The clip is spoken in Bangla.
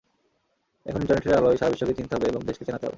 এখন ইন্টারনেটের আলোয় সারা বিশ্বকে চিনতে হবে এবং দেশকে চেনাতে হবে।